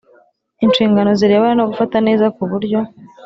inshingano zirebana no gufata neza ku buryo